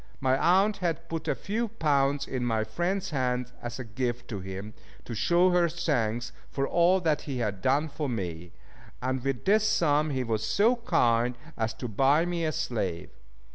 My aunt had put a few pounds in my friend's hands as a gift to him, to show her thanks for all that he had done for me, and with this sum he was so kind as to buy me a slave.